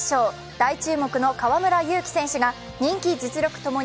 大注目の河村勇輝選手が人気・実力ともに